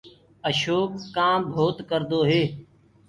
اشوڪ ڪآم ڀوت ڪردو هي۔